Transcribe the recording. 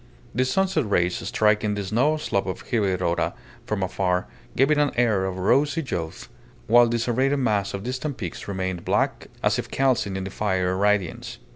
The sunset rays striking the snow slope of Higuerota from afar gave it an air of rosy youth, while the serrated mass of distant peaks remained black, as if calcined in the fiery radiance.